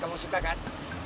kamu suka kan